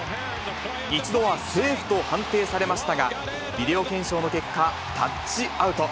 一度はセーフと判定されましたが、ビデオ検証の結果、タッチアウト。